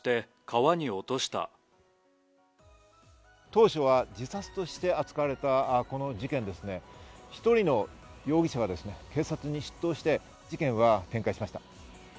当初は自殺として扱われたこの事件ですね、１人の容疑者が警察に出頭して事件は展開しました。